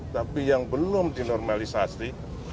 tapi yang belum dinormalisasi